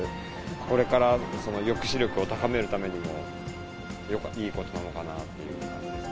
これから抑止力を高めるためにも、いいことなのかなっていう。